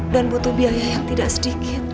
dan butuh biaya yang tidak sedikit